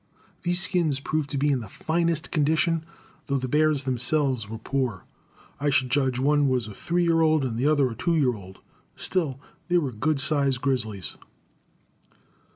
These skins proved to be in the finest condition, though the bears themselves were poor. I should judge one was a three year old and the other a two year old. Still they were good sized grizzlies.